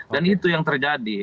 dan itu yang terjadi